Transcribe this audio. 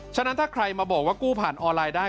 ฉะนั้นถ้าใครมาบอกว่ากู้ผ่านออนไลน์ได้